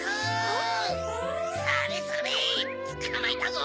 それそれつかまえたぞ！